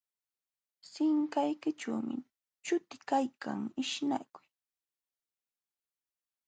Sinqaykićhuumi chuti kaykan ishnakuy